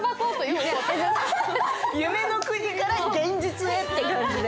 夢の国から現実へって感じで。